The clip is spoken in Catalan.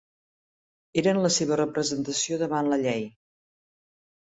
Eren la seva representació davant la llei.